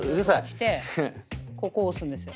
ここ押すんですよ。